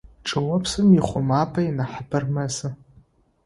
Чӏыопсым иухъумапӏэ инахьыбэр мэзы.